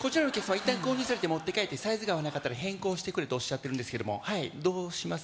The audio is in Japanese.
いったん購入されて持って帰ってサイズが合わなかったら変更してくれとおっしゃってるんですけどもどうします？